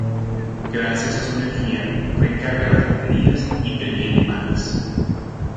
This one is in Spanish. Gracias a su energía, recarga las baterías y previene males.